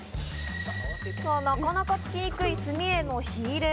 なかなかつきにくい炭への火入れ。